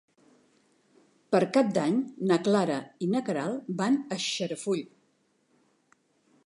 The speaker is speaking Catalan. Per Cap d'Any na Clara i na Queralt van a Xarafull.